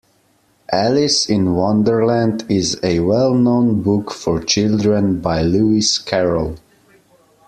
Alice in Wonderland is a well-known book for children by Lewis Carroll